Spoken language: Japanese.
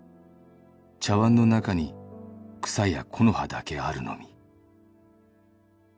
「茶わんの中に草や木の葉だけあるのみ」